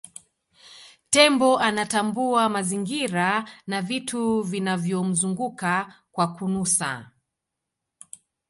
tembo anatambua mazingira na vitu vinavyomzunguka kwa kunusa